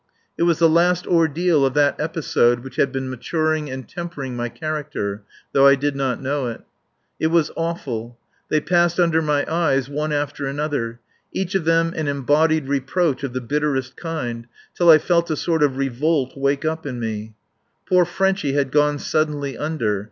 It was the last ordeal of that episode which had been maturing and tempering my character though I did not know it. It was awful. They passed under my eyes one after another each of them an embodied reproach of the bitterest kind, till I felt a sort of revolt wake up in me. Poor Frenchy had gone suddenly under.